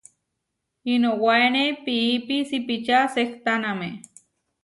Inuwáene piípi sipičá sehtáname.